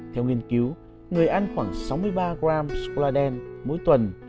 theo nghiên cứu người ăn khoảng sáu mươi ba g sôcôla đen mỗi tuần